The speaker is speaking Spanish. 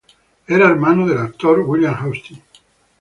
Era hermano del actor William Austin.